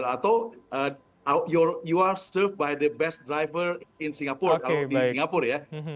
atau you are serve by the best driver in singapura kalau di singapura ya